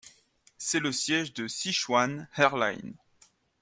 C'est le siège de Sichuan Airlines.